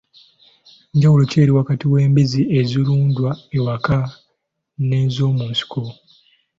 Njawulo ki eri wakati w'embizzi ezirundwa ewaka n'ezomunsiko.